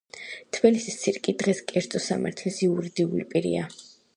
თბილისის ცირკი დღეს კერძო სამართლის იურიდიული პირია.